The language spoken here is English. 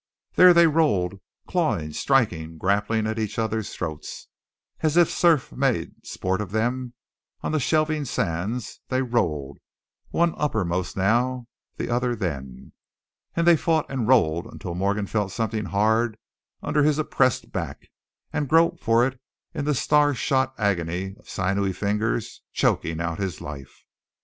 There they rolled, clawing, striking, grappling at each other's throats. As if surf made sport of them on the shelving sands they rolled, one upper most now, the other then. And they fought and rolled until Morgan felt something hard under his oppressed back, and groped for it in the star shot agony of sinewy fingers choking out his life.